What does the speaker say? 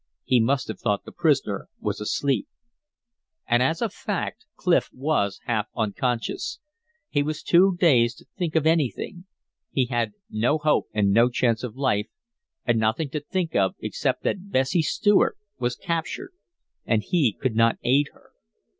He must have thought the prisoner asleep. And as a fact, Clif was half unconscious; he was too dazed to think of anything. He had no hope and no chance of life, and nothing to think of except that Bessie Stuart was captured and he could not aid her.